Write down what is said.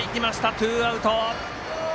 ツーアウト。